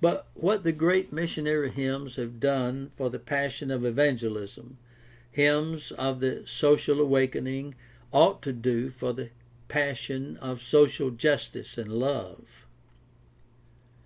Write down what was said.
But what the great missionary hymns have done for the passion of evangelism, hymns of the social awakening ought to do for the passion of social justice and love.